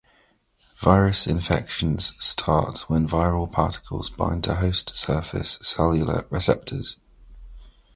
Virus infections start when viral particles bind to host surface cellular receptors.